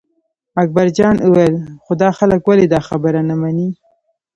اکبرجان وویل خو دا خلک ولې دا خبره نه مني.